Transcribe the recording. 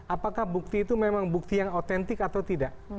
apakah bukti itu memang bukti yang otentik atau tidak